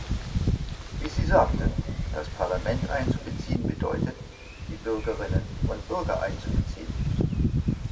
Wie Sie sagten, das Parlament einzubeziehen bedeutet, die Bürgerinnen und Bürger einzubeziehen.